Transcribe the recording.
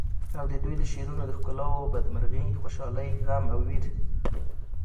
او ددوی د شعرونو د ښکلاوو بد مرغي، خوشالی، غم او وېر